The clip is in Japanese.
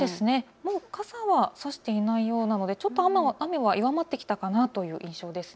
もう傘は差していないようなので雨が弱まってきたかなという印象です。